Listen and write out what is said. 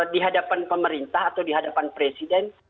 di hadapan pemerintah atau di hadapan presiden